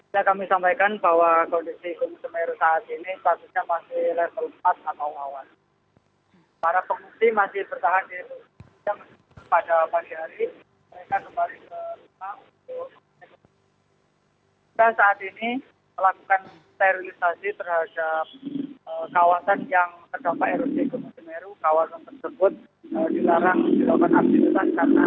jadi gunung semeru kawasan tersebut dilarang dilakukan aktivitas karena